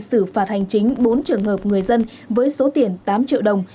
xử phạt hành chính bốn trường hợp người dân với số tiền tám triệu đồng